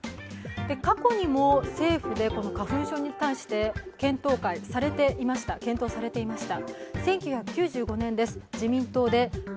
過去にも政府でこの花粉症に対して検討されていました。